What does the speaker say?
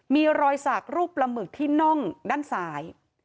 มีรอยสักรูปปลาหมึกที่น่องด้านซ้าย